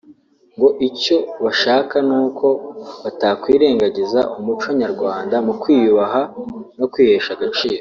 ngo icyo bashaka ni ko batakwirengagiza umuco nyarwanda wo kwiyubaha no kwihesha agaciro